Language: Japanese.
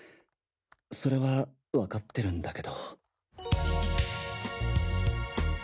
それは分かってるんだけど。